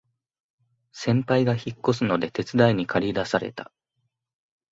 先輩が引っ越すので手伝いにかり出された